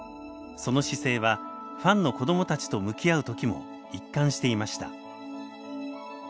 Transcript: その姿勢はファンの子どもたちと向き合う時も一貫していました。